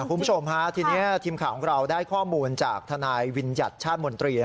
คุณผู้ชมฮะทีนี้ทีมข่าวของเราได้ข้อมูลจากทนายวิญญัติชาติมนตรี